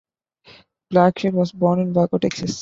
Blackshear was born in Waco, Texas.